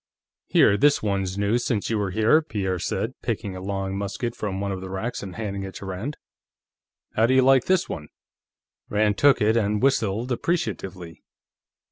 "Here, this one's new since you were here," Pierre said, picking a long musket from one of the racks and handing it to Rand. "How do you like this one?" Rand took it and whistled appreciatively.